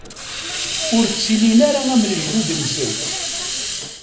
Ur ttilin ara am lejdud-nsen.